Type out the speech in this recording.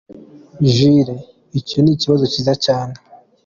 Jules: Icyo ni ikibazo cyiza cyane.